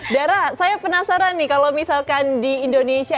dara saya penasaran nih kalau misalkan di indonesia